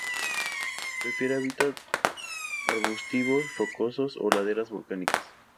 Prefiere hábitats arbustivos, rocosos, de laderas volcánicas.